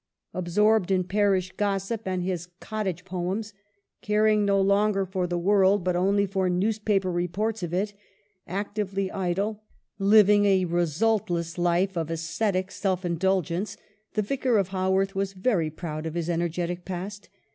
Absorbed in parish gossip and his 'Cottage Poems,' caring no longer for the world but only for newspaper reports of it, actively idle, living a resultless life of ascetic self indulgence, the Vicar of Haworth was very proud of his energetic past.